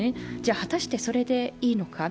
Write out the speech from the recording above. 果たしてそれでいいのか。